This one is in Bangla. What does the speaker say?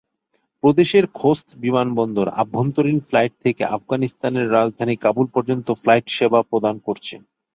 প্রদেশের খোস্ত বিমানবন্দর অভ্যন্তরীণ ফ্লাইট থেকে আফগানিস্তানের রাজধানী কাবুল পর্যন্ত ফ্লাইট সেবা প্রদান করছে।